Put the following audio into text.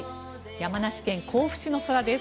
山梨県甲府市の空です。